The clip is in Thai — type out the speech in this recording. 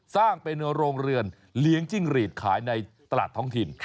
สร้างเป็นโรงเรือนเลี้ยงจิ้งหรีดขายในตลาดท้องถิ่น